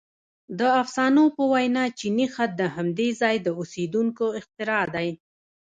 • د افسانو په وینا چیني خط د همدې ځای د اوسېدونکو اختراع دی.